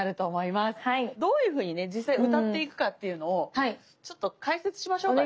どういうふうにね実際歌っていくかっていうのをちょっと解説しましょうかね。